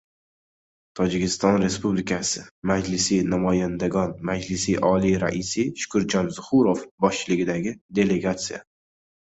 Tojikiston Respublikasi Majlisi namoyandagon Majlisi Oli raisi Shukurjon Zuhurov boshchiligidagi delega